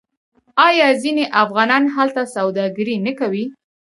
آیا ځینې افغانان هلته سوداګري نه کوي؟